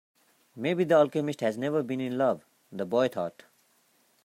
Maybe the alchemist has never been in love, the boy thought.